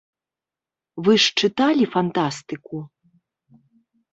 Вы ж чыталі фантастыку?